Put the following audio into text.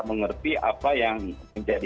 mengerti apa yang menjadi